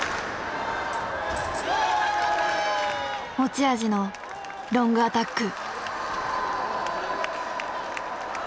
持ち味のロングアタック。